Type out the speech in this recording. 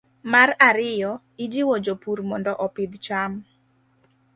Mar ariyo, ijiwo jopur mondo opidh cham